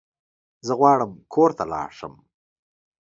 زه غواړم کور ته لاړ شم